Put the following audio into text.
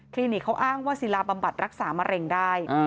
นิกเขาอ้างว่าศิลาบำบัดรักษามะเร็งได้